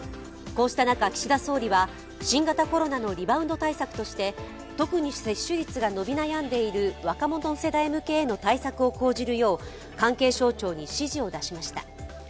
こうした中、岸田総理は新型コロナのリバウンド対策として特別に接種率が伸び悩んでいる若者世代向けの対策を講じるようも関係省庁に指示を出しました。